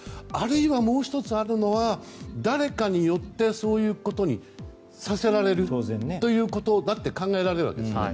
あるいは、もう１つあるのは誰かによってそういうことにさせられるということだって考えられるわけです。